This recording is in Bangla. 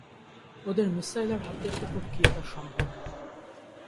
ওদের মিসাইল আর হাতিয়ারকে টপকিয়ে তা সম্ভব নয়।